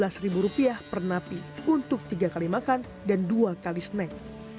dengan anggaran empat belas rupiah per napi untuk tiga kali makan dan dua kali snack